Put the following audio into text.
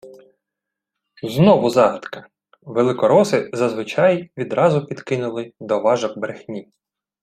Знову загадка! Великороси зазвичай відразу підкинули «доважок брехні»